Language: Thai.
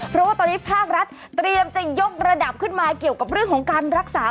เพราะว่าตอนนี้ภาครัฐเตรียมจะยกระดับขึ้นมาเกี่ยวกับเรื่องของการรักษา